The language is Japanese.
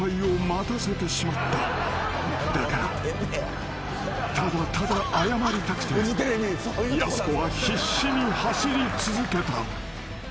［だからただただ謝りたくてやす子は必死に走り続けた］